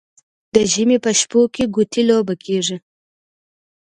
د ژمي په شپو کې ګوتې لوبه کیږي.